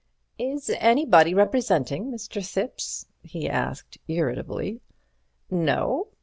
"Is anybody representing Mr. Thipps?" he asked, irritably. "No?